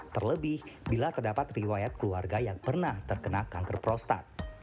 terlebih bila terdapat riwayat keluarga yang pernah terkena kanker prostat